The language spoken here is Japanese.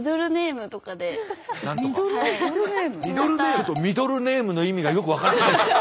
ちょっとミドルネームの意味がよく分からないです。